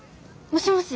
もしもし？